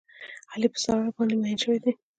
علي په ساره باندې مین شوی دی.